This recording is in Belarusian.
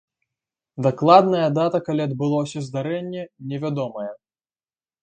Дакладная дата, калі адбылося здарэнне, невядомая.